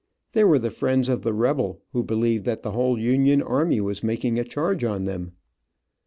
They were the friends of the rebel, who believed that the whole Union army was making a charge on them.